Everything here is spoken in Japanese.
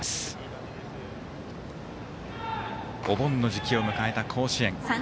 お盆の時期を迎えた甲子園。